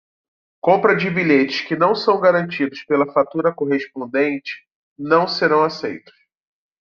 Compra de bilhetes que não são garantidos pela fatura correspondente não serão aceitos.